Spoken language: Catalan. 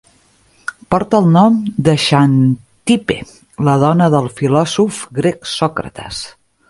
Porta el nom de Xanthippe, la dona del filòsof grec Sòcrates.